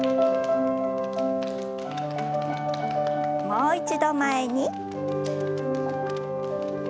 もう一度前に。